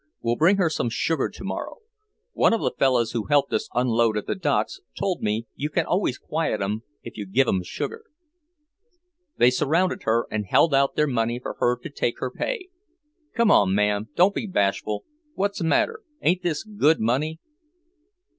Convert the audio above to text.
"We'll bring her some sugar tomorrow. One of the fellows who helped us unload at the docks told me you can always quiet 'em if you give 'em sugar." They surrounded her and held out their money for her to take her pay. "Come on, ma'm, don't be bashful. What's the matter, ain't this good money?"